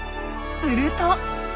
すると！